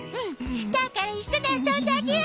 だからいっしょにあそんであげよう！